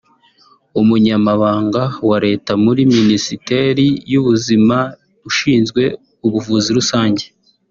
Umunyamabanga wa Leta muri Minisiteri y’Ubuzima ushinzwe ubuvuzi rusange